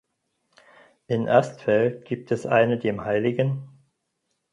In Astfeld gibt es eine dem Hl.